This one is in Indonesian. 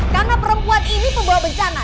karena perempuan ini pembawa bencana